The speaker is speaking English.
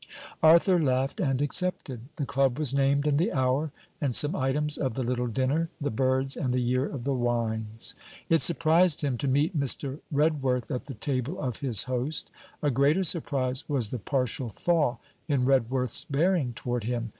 Arthur laughed and accepted. The Club was named, and the hour, and some items of the little dinner: the birds and the year of the wines. It surprised him to meet Mr. Redworth at the table of his host. A greater surprise was the partial thaw in Redworth's bearing toward him.